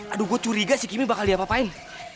aduh gue curiga si kimi bakal diapapain